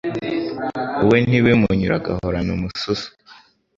we ntibimunyure agahorana umususu